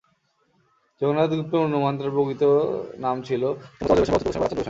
যোগেন্দ্রনাথ গুপ্তের অনুমান, তার প্রকৃত নাম ছিল সম্ভবত অজয় গোস্বামী বা অচ্যুত গোস্বামী বা রাজচন্দ্র গোস্বামী।